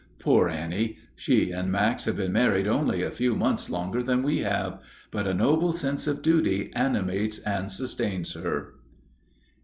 Poor Annie! She and Max have been married only a few months longer than we have; but a noble sense of duty animates and sustains her.